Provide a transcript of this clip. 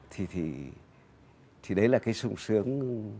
thì đấy là cái sung sướng